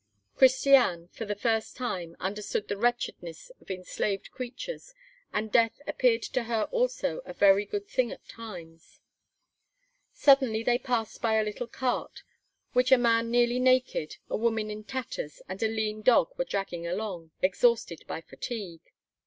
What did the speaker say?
Christiane, for the first time, understood the wretchedness of enslaved creatures; and death appeared to her also a very good thing at times. Suddenly they passed by a little cart, which a man nearly naked, a woman in tatters, and a lean dog were dragging along, exhausted by fatigue.